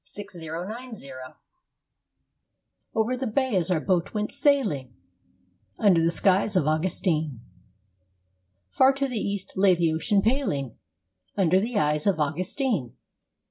DOLCE FAR NIENTE I Over the bay as our boat went sailing Under the skies of Augustine, Far to the east lay the ocean paling Under the skies of Augustine.